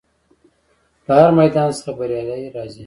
له هر میدان څخه بریالی راځي.